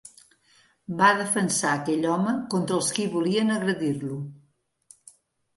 Va defensar aquell home contra els qui volien agredir-lo.